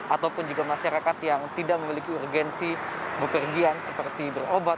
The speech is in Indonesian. ataupun juga masyarakat yang tidak memiliki urgensi bepergian seperti berobat